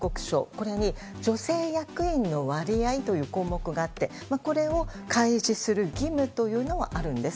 これに女性役員の割合という項目があってこれを開示する義務というのがあるんです。